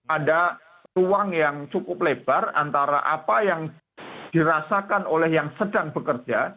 ada ruang yang cukup lebar antara apa yang dirasakan oleh yang sedang bekerja